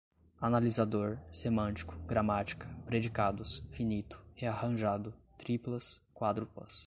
analisador, semântico, gramática, predicados, finito, rearranjado, triplas, quádruplas